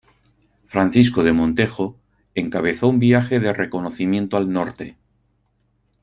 Francisco de Montejo encabezó un viaje de reconocimiento al norte.